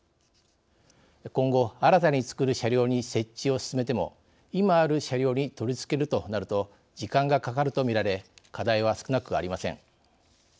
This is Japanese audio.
今後新たに作る車両に設置を進めても今ある車両に取り付けるとなると時間がかかるとみられ課題は少なくありません。